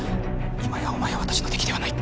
今やお前は私の敵ではない。